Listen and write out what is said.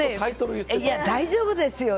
大丈夫ですよ。